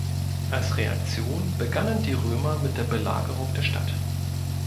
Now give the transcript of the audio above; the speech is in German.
Als Reaktion begannen die Römer mit der Belagerung der Stadt.